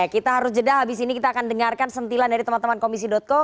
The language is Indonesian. kita harus jeda habis ini kita akan dengarkan sentilan dari teman teman komisi co